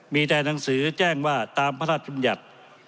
มีแต่หนังสือแจ้งว่าตามพระราชบัญญัติ